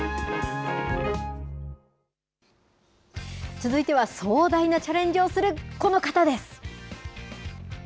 続いては壮大なチャレンジをするこの方です。